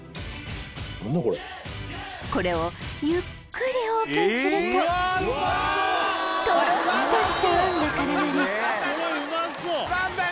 これをゆっくりオープンするとトロッとした餡が絡まる何だよ